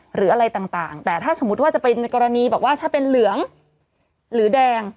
หรืออะไรต่างแต่ถ้าสมมุติว่าจะเป็นกรณีบอกว่าถ้าเป็นเหลืองหรือแดง